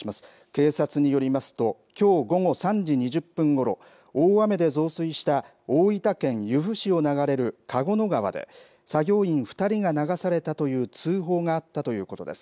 警察によりますと、きょう午後３時２０分ごろ、大雨で増水した大分県由布市を流れる花合野川で、作業員２人が流されたという通報があったということです。